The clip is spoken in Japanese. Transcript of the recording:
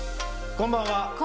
こんばんは！